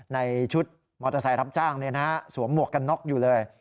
ในชุดมอเตอร์ไซค์รับจ้างสวมหมวกกันน็อกอยู่เลย